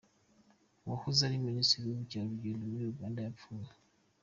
Uwahoze ari Minisitiri w’ ubukerarugendo muri Uganda yapfuye.